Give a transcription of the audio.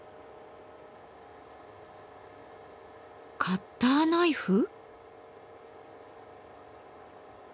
カッターナイフ？